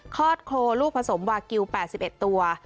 อดโครลูกผสมวากิล๘๑ตัว